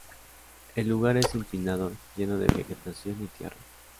El lugar es empinado, lleno de vegetación y tierra.